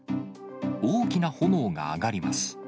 大きな炎が上がります。